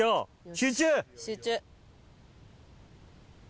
集中！